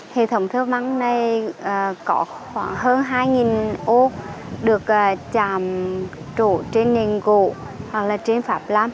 hệ thống thơ văn này có khoảng hơn hai ô được chạm trụ trên nền gồ hoặc là trên pháp lâm